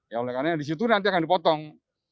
ya oleh karena disitu nanti akan dipotong